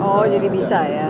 oh jadi bisa ya